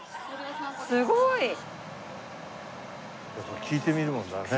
すごい！やっぱ聞いてみるもんだね。